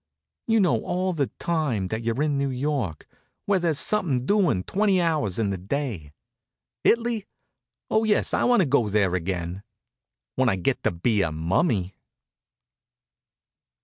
You know all the time that you're in New York, where there's somethin' doin' twenty hours in the day. It'ly! Oh, yes, I want to go there again when I get to be a mummy.